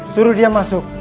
suruh dia masuk